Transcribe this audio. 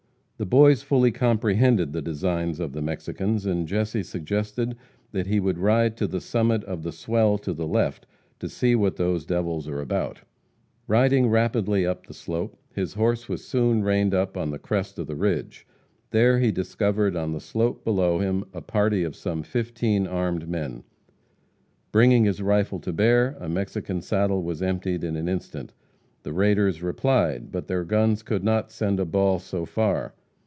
The Boys fully comprehended the designs of the Mexicans, and Jesse suggested that he would ride to the summit of "the swell" to the left, to see what "those other devils are about." [Illustration: Fight with Mexican Cattle Thieves.] Riding rapidly up the slope, his horse was soon reined up on the crest of the ridge. There he discovered on the slope below him a party of some fifteen armed men. Bringing his rifle to bear, a Mexican saddle was emptied in an instant. The raiders replied; but their guns would not send a ball so far.